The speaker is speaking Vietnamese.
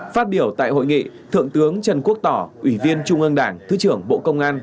phát biểu tại hội nghị thượng tướng trần quốc tỏ ủy viên trung ương đảng thứ trưởng bộ công an